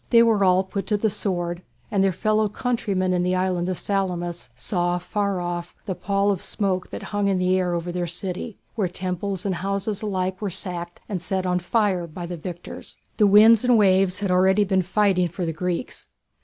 They were all put to the sword and their fellow countrymen in the island of Salamis saw far off the pall of smoke that hung over their city, where temples and houses alike were sacked and set on fire by the victors. The winds and waves had already been fighting for the Greeks.